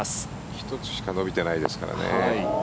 １つしか伸びてないですからね。